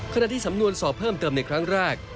ขณะที่สำนวนสอบเพิ่มเติมในครั้งแรก